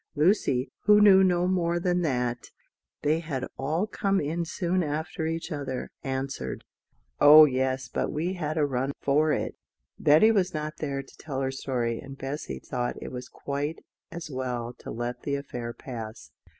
Lucy, who knew no more than that they had all come in soon after each other, answered: "Oh yes, but we had a run for it." Betty was not there to tell her story, and Bessy thought it was quite as well to let the affair pass.